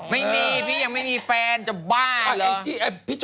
ไม่มีพี่ยังไม่มีแฟนจะบ้าอะไร